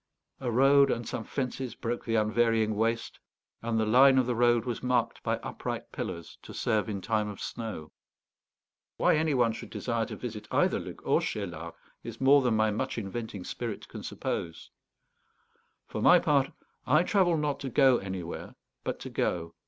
A road and some fences broke the unvarying waste, and the line of the road was marked by upright pillars, to serve in time of snow. Why any one should desire to visit either Luc or Cheylard is more than my much inventing spirit can suppose. For my part, I travel not to go anywhere, but to go.